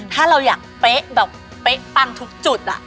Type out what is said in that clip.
ถ้าเราอยากเป๊ะแบบเป๊ะปังทุกจุด